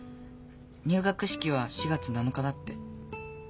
入学式は４月７日だって。